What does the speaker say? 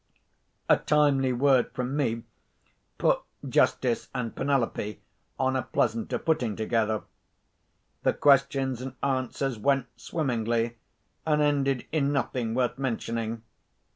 A timely word from me put Justice and Penelope on a pleasanter footing together. The questions and answers went swimmingly, and ended in nothing worth mentioning.